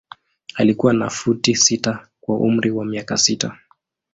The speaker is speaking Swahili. Alikuwa na futi sita kwa umri wa miaka sita.